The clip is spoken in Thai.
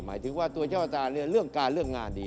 หมายถึงว่าตัวเจ้าตาเนี่ยเรื่องการเรื่องงานดี